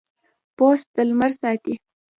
پوست د لمر ساتي.